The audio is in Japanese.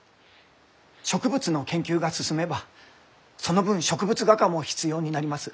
植物の研究が進めばその分植物画家も必要になります。